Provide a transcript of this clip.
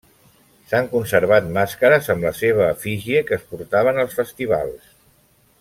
S'han conservat màscares amb la seva efígie que es portaven als festivals.